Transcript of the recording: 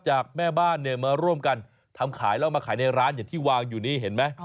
แม่บ้านเนี่ยมาร่วมกันทำขายแล้วมาขายในร้านอย่างที่วางอยู่นี่เห็นไหม